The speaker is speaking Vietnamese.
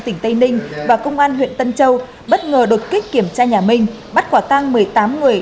tỉnh tây ninh và công an huyện tân châu bất ngờ đột kích kiểm tra nhà minh bắt quả tang một mươi tám người